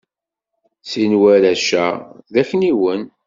Sin warrac-a d akniwen.